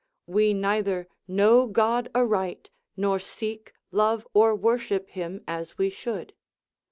We neither know God aright, nor seek, love or worship him as we should.